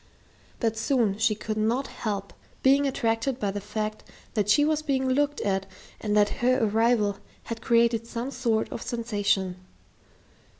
But soon she could not help being attracted by the fact that she was being looked at and that her arrival had created some sort of sensation.